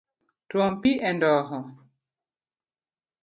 Twom pi e ndoho.